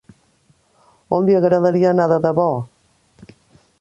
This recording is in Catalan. On li agradaria anar de debò?